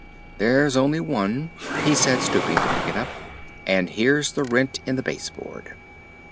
"There's only one," he said, stooping to pick it up. "And here's the rent in the base board."